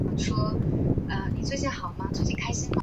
本书被认为是一流的圣诞故事。